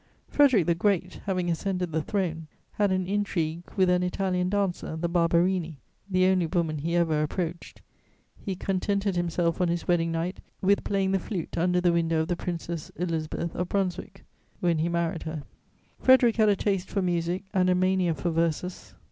Frederic the Great, having ascended the throne, had an intrigue with an Italian dancer, the Barbarini, the only woman he ever approached: he contented himself on his wedding night with playing the flute under the window of the Princess Elizabeth of Brunswick when he married her. Frederic had a taste for music and a mania for verses.